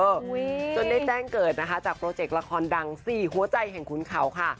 จนได้แต้งเกิดจากโปรเจกต์ละครดัง๔หัวใจของคุณเขาค่ะ